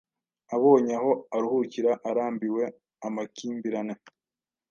Abonye aho aruhukira arambiwe amakimbirane